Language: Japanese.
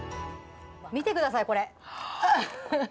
見てくださいこれはあっ！